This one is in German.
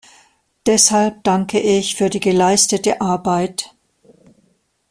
Deshalb danke ich für die geleistete Arbeit.